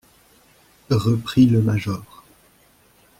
Reprit le major.